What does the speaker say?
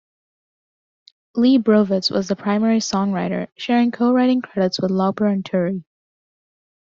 Lee Brovitz was the primary songwriter, sharing co-writing credits with Lauper and Turi.